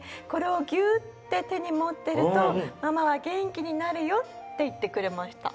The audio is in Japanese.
「これをギュッて手に持ってるとママは元気になるよ」って言ってくれました。